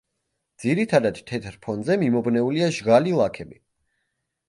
ძირითადად თეთრ ფონზე მიმობნეულია ჟღალი ლაქები.